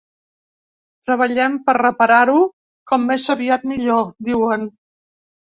Treballem per reparar-ho com més aviat millor, diuen.